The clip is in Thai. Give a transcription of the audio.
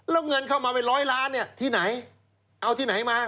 แล้วเงินเข้ามาไป๑๐๐ล้านที่ไหนเอาที่ไหนมา